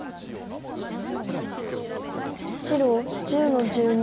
白１０の十二。